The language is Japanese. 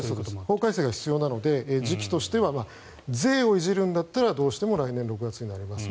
法改正が必要なので時期としては税をいじるんだったらどうしても来年６月になりますと。